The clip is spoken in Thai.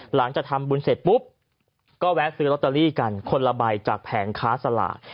หลังจากทำบุญเสร็จปุ๊บก็แวะซื้อลอตเตอรี่กันคนละใบจากแผงค้าสลาก